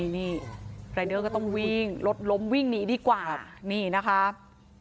นี่รายเดอร์ก็ต้องวิ่งรถล้มวิ่งหนีดีกว่านี่นะครับ